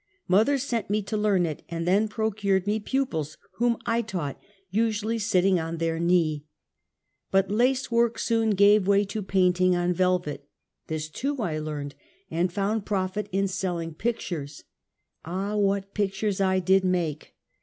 Mother sent me to learn it, and then procured me pupils, whom I taught, usually sitting on their knee. But lace work soon gave way to painting on velvet. This, too, I learned, and found profit in selling pictures. Ah, what pictures I did make.